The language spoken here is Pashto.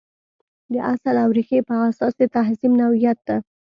د اصل او ریښې په اساس د تهذیب نوعیت ته.